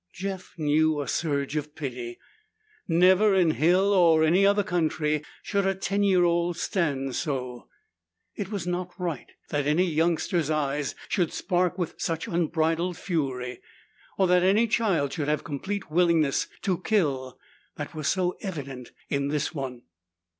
Jeff knew a surge of pity. Never, in hill or any other country, should a ten year old stand so. It was not right that any youngster's eyes should spark with such unbridled fury, or that any child should have the complete willingness to kill that was so evident in this one.